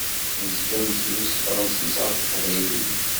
Nezga nettru s tefransist ɣef teqbaylit.